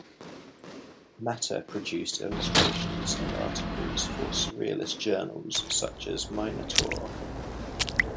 Matta produced illustrations and articles for Surrealist journals such as "Minotaure".